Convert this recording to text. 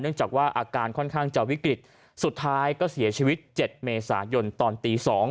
จากว่าอาการค่อนข้างจะวิกฤตสุดท้ายก็เสียชีวิต๗เมษายนตอนตี๒